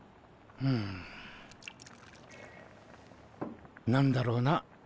うん。何だろうな。